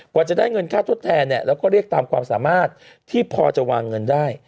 กว่าจะได้เงินค่าทดแทนเนี่ยแล้วก็เรียกตามความสามารถที่พอจะวางเงินได้